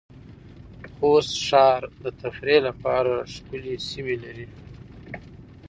خوست ښار د تفریح لپاره ښکلې سېمې لرې